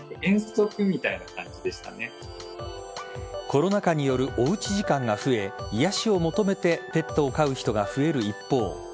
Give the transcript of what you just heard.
コロナ禍によるおうち時間が増え癒やしを求めてペットを飼う人が増える一方